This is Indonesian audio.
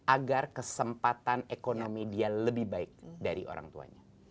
agar kesempatan ekonomi dia lebih baik dari orang tuanya